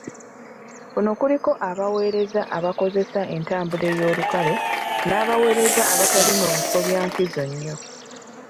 Kuno kuliko abaweereza abakozesa entambula ey'olukale n'abaweereza abatali mu bifo bya nkizo nnyo.